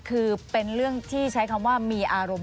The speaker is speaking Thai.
ควิทยาลัยเชียร์สวัสดีครับ